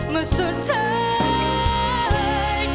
มาสุดท้าย